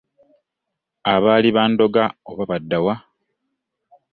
Abaali bandoga oba badda wa!